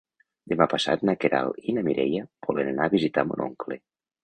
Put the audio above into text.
Demà passat na Queralt i na Mireia volen anar a visitar mon oncle.